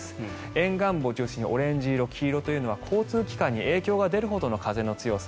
沿岸部を中心にオレンジ色、黄色というのは交通機関に影響が出るほどの風の強さ。